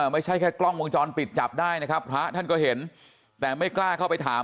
ไม่ใช่แค่กล้องวงจรปิดจับได้นะครับพระท่านก็เห็นแต่ไม่กล้าเข้าไปถาม